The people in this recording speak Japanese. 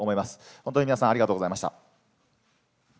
本当に皆さん、ありがとうございました。